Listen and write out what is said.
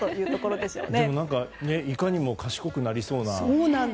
でも、いかにも賢くなりそうな。